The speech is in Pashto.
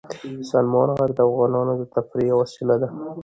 سلیمان غر د افغانانو د تفریح یوه وسیله ده.